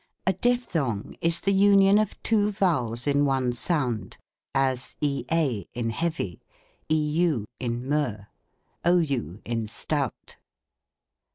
A dipthong is the union of two vowels in one sound, as ea in heavy, eu in Meux, ou in stout.